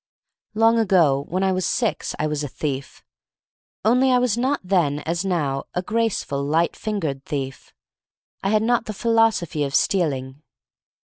Long ago, when I was six, I was a thief — only I was not then, as now, a graceful, light fingered thief — I had not the philosophy of stealing.